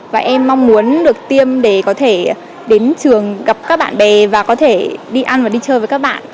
và em mong muốn được tiêm để có thể đến trường gặp các bạn bè và có thể đi ăn và đi chơi với các bạn